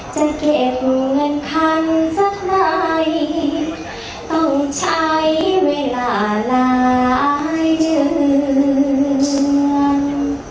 จะเก็บเงินพันสักใครต้องใช้เวลาหลายเดือน